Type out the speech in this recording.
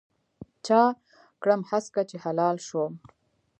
چا کړم هسکه چې هلال شوم